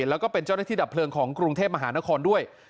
แล้วก็เป็นเจ้าหน้าที่ดับเพลิงของกรุงเทพมหานครด้วย